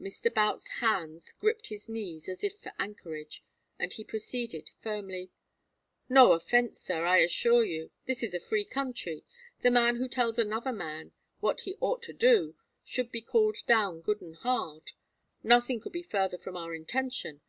Mr. Boutts's hands gripped his knees as if for anchorage, and he proceeded, firmly: "No offence, sir, I assure you. This is a free country. The man who tells another man what he'd orter do should be called down good and hard. Nothing could be further from our intention.